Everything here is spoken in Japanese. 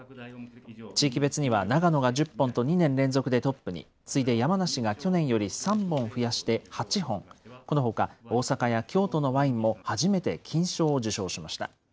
地域別には長野が１０本と２年連続でトップに、次いで山梨が去年より３本増やして８本、このほか大阪や京都のワインも初めて金賞を受賞しました。